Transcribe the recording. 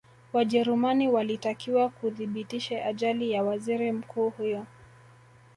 wajerumani walitakiwa kuthibitishe ajali ya waziri mkuu huyo